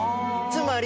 つまり。